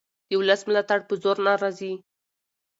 د ولس ملاتړ په زور نه راځي